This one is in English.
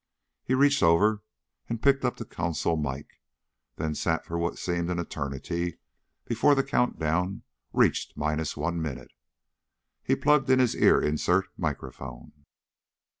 He reached over and picked up the console mike, then sat for what seemed an eternity before the countdown reached minus one minute. He plugged in his ear insert microphone.